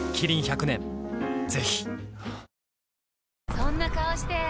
そんな顔して！